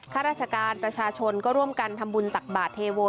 ข้าราชการประชาชนก็ร่วมกันทำบุญตักบาทเทโว